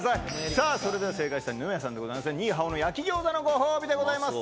さあ、それでは正解した二宮さんには、ニイハオの焼き餃子のご褒美でございます。